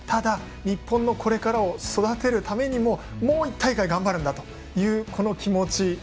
ただ、日本のこれからを育てるためにももう１大会頑張るんだという気持ち。